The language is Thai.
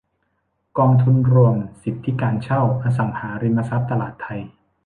กองทุนรวมสิทธิการเช่าอสังหาริมทรัพย์ตลาดไท